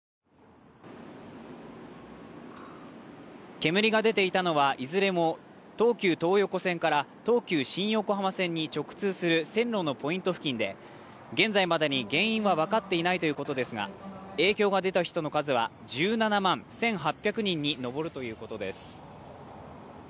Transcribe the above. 煙が出ていたのは、いずれも東急東横線から東急新横浜線に直通する線路のポイント付近で現在までに原因は分かっていないということですが、影響が出た人の数は１７万１８００人にのぼるということです。